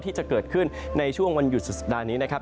ที่จะเกิดขึ้นในช่วงวันหยุดสุดสัปดาห์นี้นะครับ